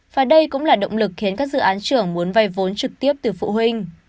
và đây cũng là động lực khiến các dự án trưởng muốn vay vốn trực tiếp từ phụ huynh